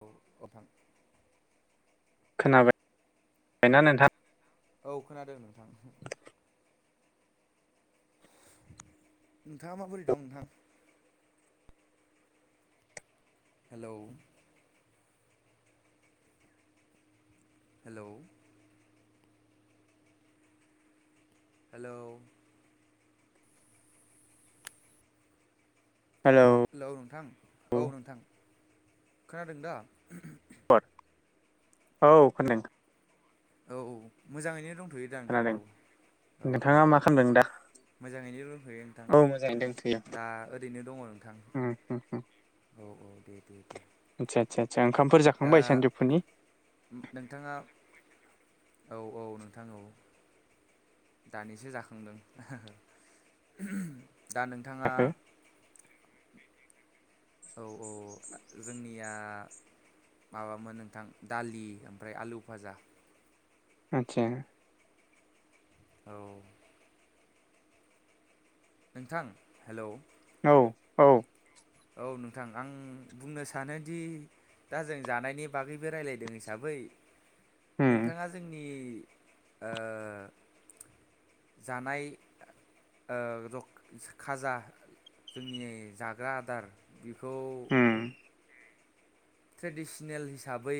औ नोंथां खोनाबाय ना नोंथां? औ खोनादों नोंथां। नोंथाङा माबोरै दं नोंथां? हेलौ हेलौ हेलौ हेलौ नोंथां औ नोंथां। खोनादों दा? औ खोनादों। औ मोजाङैनो दं। खोनादों नोंथाङा औ मा खामदों दा? मोजाङैनो र थयो नोंथां औ मोजाङै दोंथ'यो दा ओरैनो दङ नोंथां उम उम उम औ औ दे दे दे। आदसा आदसा आदसा ओंखामफोर दा जाखांबाय सानजौफुनि? नोंथाङा औ -औ -नोंथां औ। दानिसो जाखांदों। दा नोंथाङा। जाखो औ- औ- औ- था जोंनि। निया माबामोन नोंथां दालि ओमफ्राय आलु फाजा। आथसा। औ नोंथां हेल'। औ औ। औ नोंथां आं बुंनो सानोदि दा जों जानायनि बागैबो रायलायदों हिसाबै उम नोंथांआ जोंनि ओ जानाय ओ रख खाजा जोंनि जाग्रा आ दार बिफ खौ उम ट्रेडिसनेल हिसाबै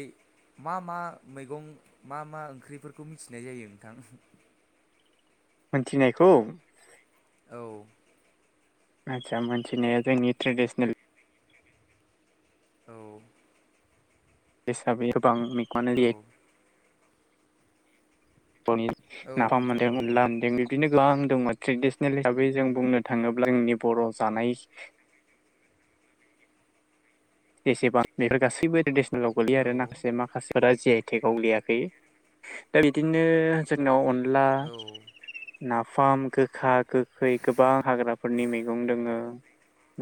मा मा मैगं मा मा ओंख्रिफोरखौ मिथिनाय जायो नोंथां? मोनथिनायखौ? औ आथसा मोनथिनाया जोंनि ट्रेडिसनेल। औ। हिसाबै बां मेगंआनो औ दे थ'नि औ नाफाम नोंथां मोन्दों औ औ अनला मोन्दों बिब्दिनो गोबां दं ट्रेडिसनेल हिसाबै जों बुंनो थाङोब्ला जोंनि बर' जानायस जेसेबां बेफोर गासैबो लाव गोलैयो औ आरो माखासे माखासेफोरा जे आइ टेगआव गोलैयाखै। दा बिदिनो जोंनाव ला औ नाफाम गोखा गोखै गोबां हाग्राफोरनि मैगं दोङो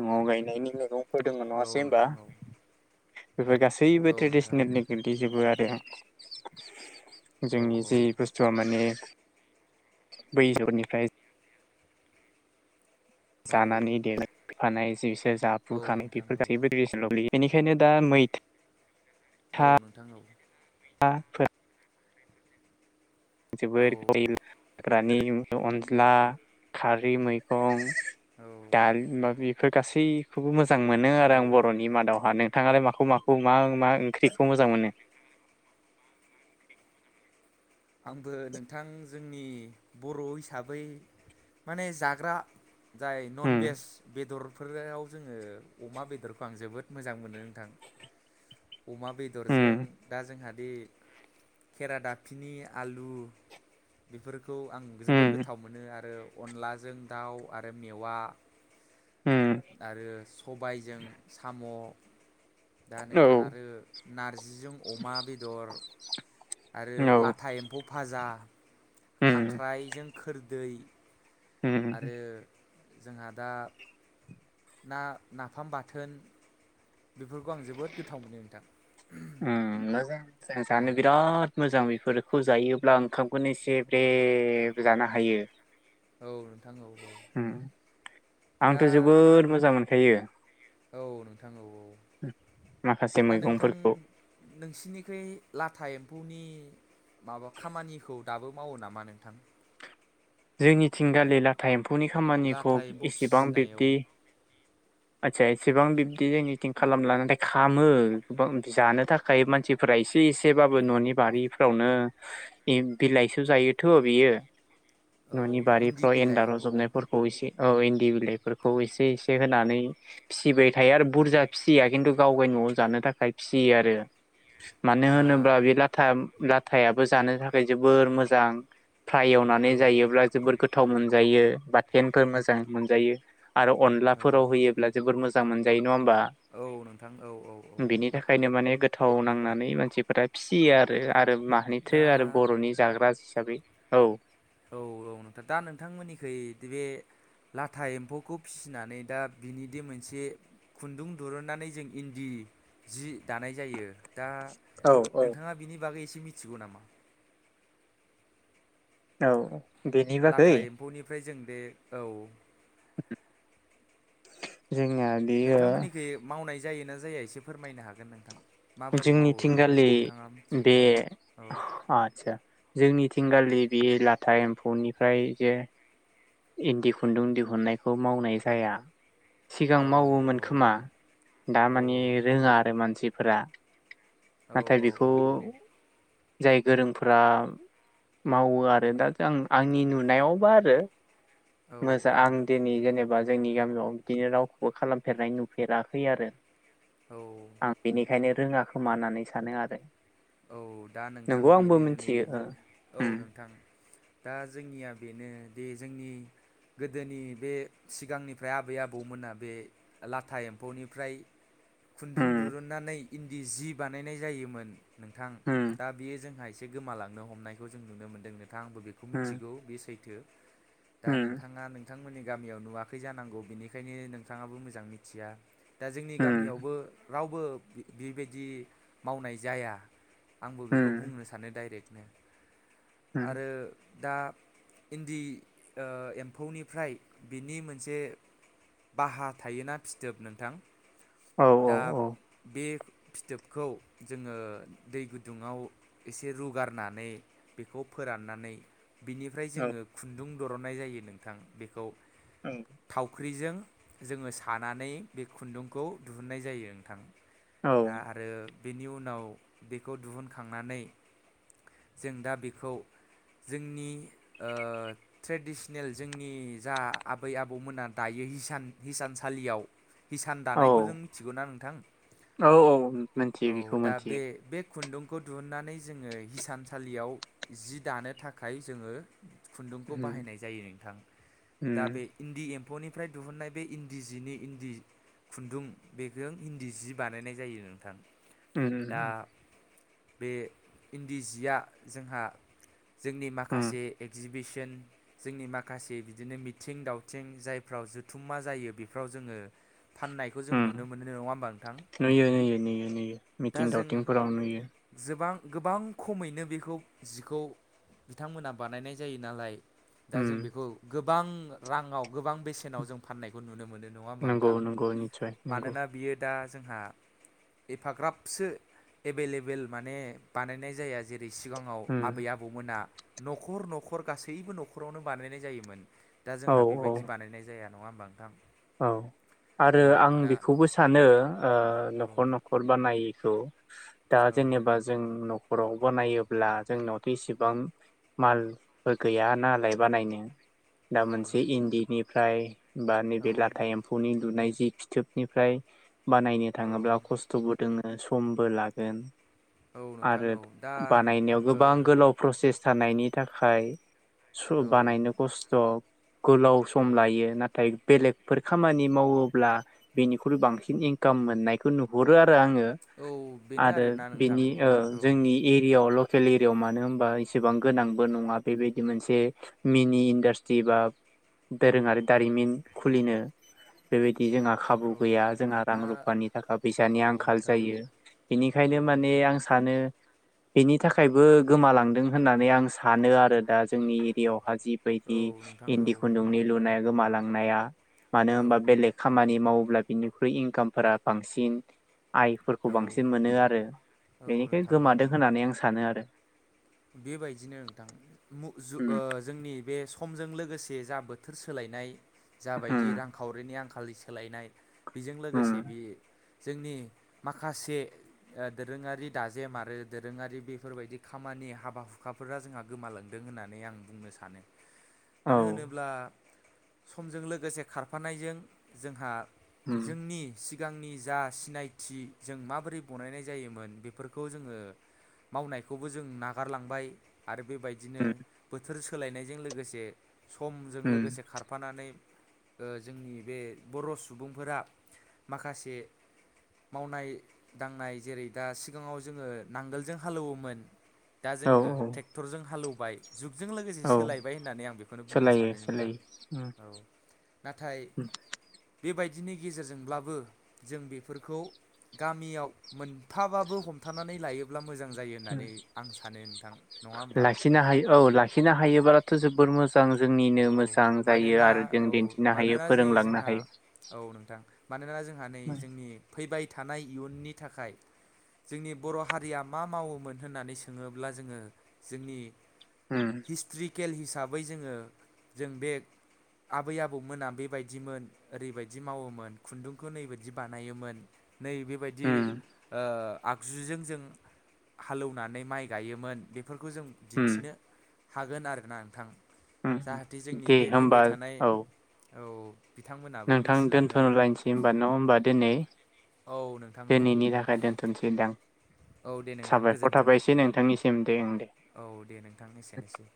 न'आव गायनायनि मैगं फोदोंमोन औ नङासै होमबा? नोंथां औ बेफोर गासैबो औ नोंथां औ ट्रेडिसनेलनि गोग्लैजोबो आरो। [unintelligible] औ जोंनि जि बुस्थुआ माने बै जोबोदनिफ्राय औ जानानै देफानाय जि इस जाफुखानाय नोंथां बेफोर औ गासैबो ट्रेडिसनेलाव गोलैयो। बेनिखायनो दा मैथ औ नोंथां औ। थाफोर औ जोबोर [unintelligible] हाग्रानि अनज्ला खारै मैगं औ दाल माब बेफोर गासै सै खौबो मो जां मोनो आरो आं औ बर'नि मादाव हानो। नोंथाङालाय माखौ माखौ मा मा ओंख्रिखौ मोजां मोनो? आंबो नोंथां जोंनि बर' हिसाबै माने जाग्रा जाय नन उम भेज बेदर, बेफोराव जोङो अमा बेदरखौ आं जोबोद मोजां मोनो नोंथां। अमा बेदरजों उम दा जोंहा बे खेरा दाफिनि आलु बेफोरखौ आं जोबोद उम गोथाव मोनो आरो अनलाजों दाउ आरो मेवा उम आरो सबायजों साम', दा औ नोंथाङ आरो नारजिजों अमा बेदर, आरो ला औ था एम्फौ फाजा, उम खांख्राइजों खोरदै, उम आरो जोंहा दा ना नाफाम बाथोन, बेफोरखौ आं जोबोद गोथाव मोनो नोंथां। उम मोजां जानो बिराद मोजां बेफोरखौ जायोब्ला ओंखामखौनो एसे ब्रेब जानो हायो। औ नोंथां औ औ। उम आंथ' दा जोबोद मोजां मोनखायो औ नोंथां औ औ। माखासे दा नोंथां मैगंफोरखौ नोंसिनिखोइ लाथा एम म्फौनि माबा खामानिखौ दाबो मावो नामा नोंथां? जोंनिथिं गालि लाथा ए म्फौनि खामानिखौ लाथा एम्फौ एसेबां फिसिनायाव बिब्दि आस्सा एसेबां बिब्दि जोंनिथिं खालामला नाथाय खामो गोबां जानो थाखाय मानसिफोरा एसे एसेबाबो न'नि बारिफ्रावनो ओ बिलाइसो जायोथ' बियो? औ न'नि इन्दि बारिफ्राव बिलाइ एन्न्दार औ रजबनायफोरखौ एसे औ इन्दि बिलाइफोरखौ एसे एसे होनानै फिसिबाय थायो आरो औ बुरजा फिसिया खिन्थु गावगाय न'आव जानो थाखाय फिसियो आरो। मानो दा होनोबा बे लाथा लाथायाबो जानो थाखाय जोबोर मोजां। फ्राय एवनानै औ जायो। जोबोर गोथाव मोनजायो बाथेनफोर मोजां मोनजायो। आरो औ अनलाफोराव होयोब्ला जोबोर मोज मोजां मोनजायो। नङा होमबा औ नोंथां औ औ औ बिनि थाखायनो माने गो गोथाव नांनानै मानसिफोरा फिसियो आरो आरो माहैथो दा आरो बर'नि जाग्रा, हिसाबै औ औ औ नोंथां दा नोंथांमोननिखै बे लाथा एम्फौखौ फिसिनानै दा बिनिदि मोनसे खुन्दुं दुरुननानै जों इन्दि जि दानाय जायो। दा औ औ नोंथाङा बिनि बागै एसे मिथिगौ नामा? औ बेनि लाथा बागै एम्फौनिफ्राय जों बे औ [unintelligible] जोंनिया बेयो नोंथांमोननिखै मावनाय जायोना जाया एसे फोरमायनो हागोन नोंथां, माबोरै मावो जोंनिथिंगालि नोंथाङा मिथियो बे औ आदसा जोंनि थिंगालि बियो लाथा एम्फौनिफ्राय जे इन्दि खुन्दुं दिहुननायखौ मावनाय जाया। सिगां औ मावोमोन खोमा दा औ माने रोङा आरो मानसि, फोरा औ नाथाय औ बेखौ, जाय गोरोंफोरा मावो आरो दा आं आंनि नुनायावबा आरो औ मोजां आं दिनै जेनेबा जोंनि गामियाव बिदिनो रावखौबो खालामफेरनाय नुफेराखै आरो औ आं बेनिखायनो रोङा खोमा होनानै सानो आरो औ दा नोंथां नंगौ आंबो बेनो नै मिथियो ओ औ उम नोंथां दा जोंनिया, बेनो दि जोंनि गोदोनि बे सिगांनिफ्राय आबै आबौमोना बे लाथा एम्फौनिफ्राय, खुन्दुं उम दिरुनन्नानै, इन्दि जि बानायनाय जायोमोन। नोंथां उम दा बेयो जोंहा [unintelligible] एसे गोमालांनो हमनायखौ जों नुनो मोनदों। आंबो बेखौ उम मिथिगौ बे सैथो। दा उम नोंथाङा नों नोंथांमोननि गामियाव नुवाखै जानांगौ बेनिखायनो नोंथाङाबो मोजां मिथिया। दा जोंनि उम गामियावबो रावबो बेबायदि मावनाय जाया। आंबो बेखौ उम बुंनो सानो डाइरेक्ट। उम [unintelligible] आरो दा इन्दि ओ एम्फौनिफ्राय बिनि मोनसे बाहा थायोना फिथोब नोंथां औ दा औ बे फिथोबखौ जोङो दै गुदुङाव एसे रुगारनानै बेखौ फोराननानै बिनिफ्राय औ जोङो खुन्दुं दरननाय जायो नोंथां बेखौ थावख्रिजों जोङो सानानै बे खुन्दुंखौ दिहुननाय जायो नोंथां। औ दा आरो बेनि उनाव बेखौ दिहुनखांनानै जों दा बेखौ जोंनि ओ ट्रेडिसेनेल जोंनि जा आबै- आबौमोना दायो हिसान हिसानसालियाव हिसान औ दानायखौ जों मिथिगौ ना नोंथां औ औ मोनथियो औ बेखौ दा मोनथियो बे बे खुन्दुंखौ दिहुननानै जोङो हिसान सालियाव जि दानो थाखाय जोङो खुन्दुंखौ उम बाहायनाय जायो नोंथां दा उम बे इन्दि [unintelligible] एम्फौनिफ्राय दिहुननाय बे इन्दि जिनि इन्दि खुन्दुं बेजों इन्दि जि बानायनाय जायो नोंथां। उम उम दा उम। बे इन्दि जिया जोंहा जोंनि उम माखासे एगजिबिसन जोंनि माखासे बिदिनो मिथिं दावथिं जायफ्राव जुथुमा जायो बेफ्राव जोङो फाननायखौ जोंङो उम नुनो मोनो नङा होमबा नोंथां नुयो नुयो नुयो नुयो दा मिथिं जों दावथिंफोराव नुयो गोबां गोबां खमैनो बे बेखौ जिखौ बिथांमोना बानायनाय जायो नालाय दा उम जों बेखौ [unintelligible] गोबां राङाव गोबां बेसेनाव जों फाननायखौ नुनो मोनो नङा होनबा नंगौ नोंथां नंगौ निस्सय नंगौ मानोना बियो दा जोंहा एफाग्राबसो एभेलेबेल माने बानायनाय जाया जेरै सिगाङाव उम आबै आबौमोना न'खर न'खर गासैबो न'खरावनो बानायनाय जायोमोन दा औ जोंहा औ बेबायदि बानायनाय जाया [unintelligible] नङा [unintelligible] नोंथां औ आरो ओ आं दा बेखौबो सानो ओ औ न'खर न'खर बानाय [unintelligible] [unintelligible] दा औ जेनेबा जों न [unintelligible] बानायोब्ला जोंनावथ' इसिबां मालफोर गैया नालाय बानायनो दा औ मोनसे इन्दिनि [unintelligible] बे औ लाथा एम्फौनि लुनाय [unintelligible] फिथोबनिफ्राय बानायनो थाङोब्ला खस्थ'बो दङ समबो लागोन औ नोंथां आरो औ दा बानायनायाव गोबां गोलाव प्रसेस [unintelligible] नायनि थाखाय सु ओ बानायनो औ खस्थ' गोलाव सम लायो नाथाय बेलेगफोर खामानि मावोब्ला बेनिख्रुइ बांसिन इनकाम मोननायखौ नुहरो आ औ [unintelligible] बेनो ओरो आरोना नोंथां बेनि ओ औ जोंनि एरियायावल' [unintelligible] मानो होनबा एसेबां गोनांबो नङा बेबायदि मोनसे मिनि इन्डास्ट्रि बा दोरोङारि दारिमिन खुलिनो बेबायदि जोंहा खाबु औ गैया जोंहा रां दा रुफानि थाखाय फैसानि औ आंखाल नोंथां औ जायो औ बेनिखायनो माने नोंथां आं सानो बेनि थाखायबो गोमालांदों होननानै आं सानो आरो दा जोंनि एरियाआव [unintelligible] औ बायदि नोंथां औ इण्डि खुन्दुंनि लुनाया [unintelligible] [unintelligible] [inaudible] मानो औ होनबा बेलेग खामानि माव अब्ला बिनिख्रुइ इनकामफोरा बांसिन आइफोरखौ औ बांसिन मोनो आरो औ बेनिखाय नोंथां औ गोमादों होननानै आं सानो आरो बेबायदिनो नोंथां मुग जुग उम ओ जोंनि बे समजों लोगोसे जा बोथोर सोलायनाय जाबायदि उम रांखावरिनि आं [unintelligible] लि सोलायनाय बेजों उम लोगोसे बे जोंनि माखासे दोरोङारि दाजेम आरो दोरोङारि बेफोरबायदि खामानिया हाबा हुखाफोरा जोंहा गोमालांदों होननानै आं बुंनो सानो औ मानो होनोब्ला समजों लोगोसे खारफानायजों जोंहा उम जोंनि सिगांनि जा सिनायथि जों माबोरै बनायनाय जायोमोन बेफोरखौ जोङो मावनायखौबो जों ना नागारलांबाय आरो बेबायदिनो उम बोथोर सोलायनायजों लोगोसे समजों उम लोगोसे खारफानानै जोंनि बे बर' सुबुंफोरा माखासे मावनाय दांनाय जेरै दा सिगाङाव जोङो नांगोलजों हालेवोमोन दा औ जोङो ट्रेक्टरजों हालौव बाय जुगजों लोगोसे औ सोलायबाय होननानै आं बेखौनो बुंनो सोलायो सानो नोंथां सोलायो उम औ नाथाय उम बेबायदि बिनि गेजेरजोंब्लाबो जों बेफोरखौ गामियाव मोनफाबाबो हमथानानै लायोब्ला मोजां जायो उम होननानै आं नोंथां नङा होमबा लाखिनो हायो औ लाखिनो हायो बाथ' जोबोर मोजां मोजां जोंनिनो औ मोजां जायो मानोना आरो जों औ दिन्थिनो हायो मानोना नै फोरोंलांनो जोंहा हायो औ नोंथां मानोना जोंहा नै उम जोंनि फैबाय थानाय इयुननि थाखाय जोंनि बर हारिया मा मावोमोन होननानै सोङोब्ला जोङो जोंनि हिस्ट्रिकेल हिसाबै हिसाबै जोंङो जों बे आबै आबौमोना बेबायदिमोन ओरैबायदि मावोमोन खुन्दुंखौ नै बे बायदि बानायोमोन नै बेबायदि उम आगजुजों जों हालेवनानै माइ गायोमोन बे बेफोरखौ जों उम दिन्थिनो हागोन आरोना नोंथां उम जाहाथे जोंनि दे बे होमबा फैबाय थानाय औ औ बिथांमोनाबो नोंथां मिथिलाङो दोन्थ'लायसै होनबा न होमबा दिनै औ नोंथां औ दिनैनि थाखाय दोनथ' नोसै दां औ दे नोंथां साबायखर गोजोन्थों थाबायसै नोंथांनिसिम दे ओं दे औ दे नोंथां एसेनोसै